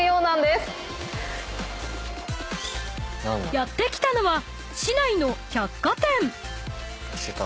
［やって来たのは市内の百貨店］ありました。